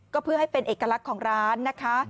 ก็เพื่อให้เป็นเอกลักษณ์ของร้านนะคะ